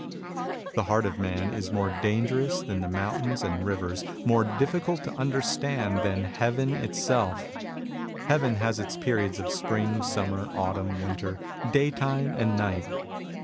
••••• The heart of man is more dangerous than mountains and rivers, more difficult to understand than Heaven itself. Heaven has its periods of spring, summer, autumn, winter, daytime and night.